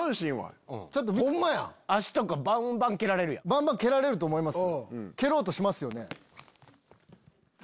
バンバン蹴られると思います？